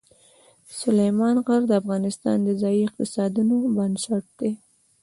سلیمان غر د افغانستان د ځایي اقتصادونو بنسټ دی.